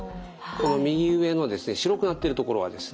この右上の白くなっている所はですね